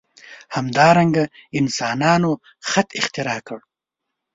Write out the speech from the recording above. همدارنګه انسانانو خط اختراع کړ.